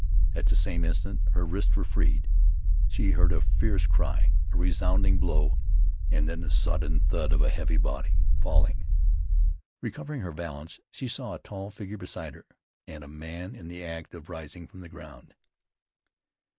At the same instant her wrists were freed; she heard a fierce cry, a resounding blow, and then the sodden thud of a heavy body falling. Recovering her balance, she saw a tall figure beside her, and a man in the act of rising from the ground.